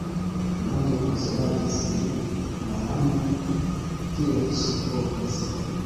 Longe konsoladis lin Malanja, kiel ŝi povis.